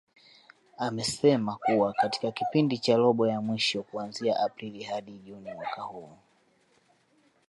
Amesema kuwa katika kipindi cha robo ya mwisho kuanzia Aprili hadi Juni mwaka huu